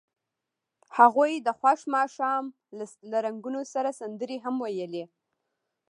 هغوی د خوښ ماښام له رنګونو سره سندرې هم ویلې.